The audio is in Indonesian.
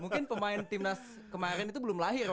mungkin pemain tim nas kemarin itu belum lahir